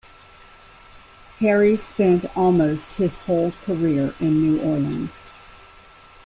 Harry spent almost his whole career in New Orleans.